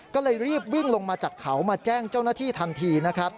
ก็เลยรีบวิ่งลงมาจากเขามาแจ้งเจ้าหน้าที่ทันทีนะครับ